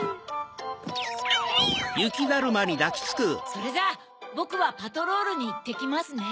それじゃあボクはパトロールにいってきますね。